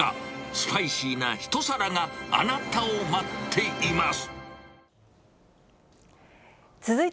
スパイシーな一皿があなたを待っています。